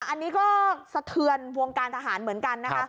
อันนี้ก็สะเทือนวงการทหารเหมือนกันนะคะ